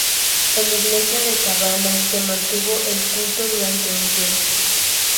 En la iglesia de Cabanas se mantuvo el culto durante un tiempo.